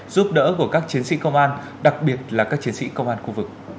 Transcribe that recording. giúp đỡ của các chiến sĩ công an đặc biệt là các chiến sĩ công an khu vực